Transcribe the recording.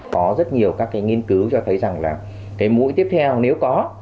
có rất nhiều các cái nghiên cứu cho thấy rằng là cái mũi tiếp theo nếu có